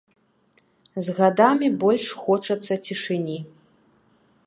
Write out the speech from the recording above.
З гадамі больш хочацца цішыні.